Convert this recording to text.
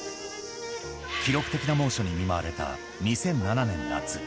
記録的な猛暑に見舞われた２００７年夏。